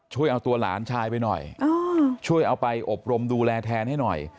ช่วยเอาตัวหลานชายไปหน่อยช่วยเอาไปอบรมดูแลแทนให้หน่อย